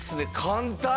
簡単！